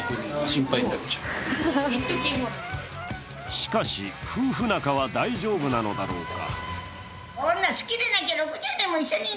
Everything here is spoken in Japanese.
しかし、夫婦仲は大丈夫なのだろうか。